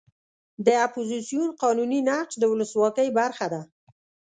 د اپوزیسیون قانوني نقش د ولسواکۍ برخه ده.